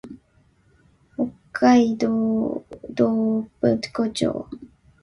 北海道洞爺湖町